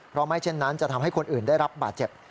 เพราะไม่เช่นนั้นจะทำให้คนอื่นได้รับบาดเจ็บ